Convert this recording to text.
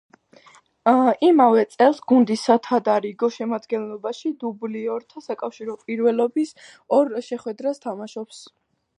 იმავე წელს გუნდის სათადარიგო შემადგენლობაში დუბლიორთა საკავშირო პირველობის ორ შეხვედრას თამაშობს.